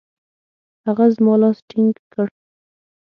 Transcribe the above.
هغه زما لاس ټینګ کړ.